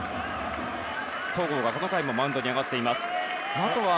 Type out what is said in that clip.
戸郷がこの回もマウンドに上がっています。